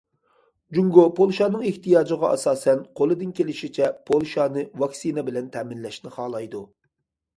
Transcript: جۇڭگو پولشانىڭ ئېھتىياجىغا ئاساسەن قولىدىن كېلىشىچە پولشانى ۋاكسىنا بىلەن تەمىنلەشنى خالايدۇ.